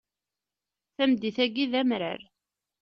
Tameddit-agi d amrar.